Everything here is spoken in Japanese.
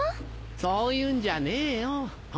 そういうんじゃねえよ。